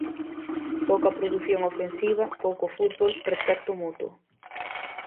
Pouca produción ofensiva, pouco fútbol, respecto mutuo.